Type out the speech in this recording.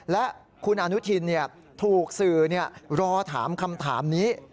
และคุณอนุทินถูกสื่อรอถามคำถามนี้